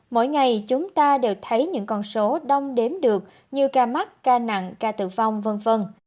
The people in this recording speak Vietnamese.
mỗi ngày chúng ta đều thấy những con số đông đếm được như ca mắc ca nặng ca tử vong v v